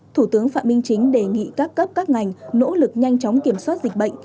thủ tướng phạm minh chính đề nghị các cấp các ngành nỗ lực nhanh chóng kiểm soát dịch bệnh